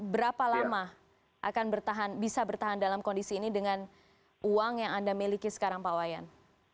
berapa lama bisa bertahan dalam kondisi ini dengan uang yang anda miliki sekarang pak wayan